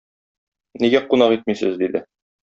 Нигә кунак итмисез? - диде.